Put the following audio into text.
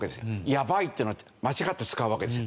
「やばい」っていうのは間違って使うわけですよ。